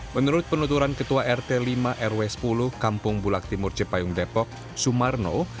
menurut penuturan ketua rt lima rw sepuluh kampung bulak timur cipayung depok sumarno